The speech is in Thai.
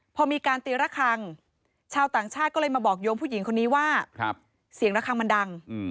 พอมีการตีระคังชาวต่างชาติก็เลยมาบอกโยมผู้หญิงคนนี้ว่าเสียงระคังมันดัง